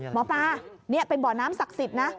หมอปลานี้เป็นบ่อน้ำศักริจนะ